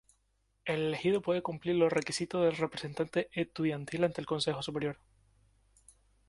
El elegido puede cumplir los requisitos del representante estudiantil ante el Consejo Superior